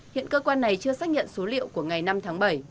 hiện cơ quan này chưa xác nhận số liệu của ngày năm tháng bảy